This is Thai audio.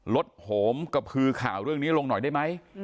ลดโหมกระพือข่าวเรื่องนี้ลงหน่อยได้ไหม